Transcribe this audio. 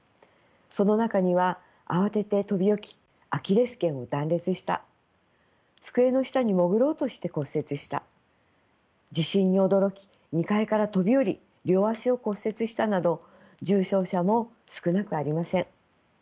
その中には慌てて飛び起きアキレス腱を断裂した机の下に潜ろうとして骨折した地震に驚き２階から飛び降り両足を骨折したなど重傷者も少なくありません。